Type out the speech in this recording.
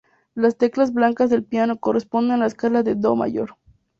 Las teclas blancas del piano corresponden a la escala de "do" mayor.